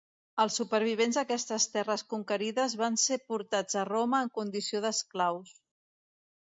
Els supervivents d'aquestes terres conquerides van ser portats a Roma en condició d'esclaus.